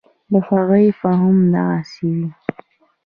د هغوی فهم دغسې و.